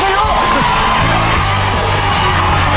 สี่ถุง